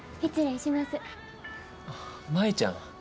舞ちゃん。